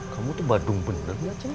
kamu tuh badung bener gak ceng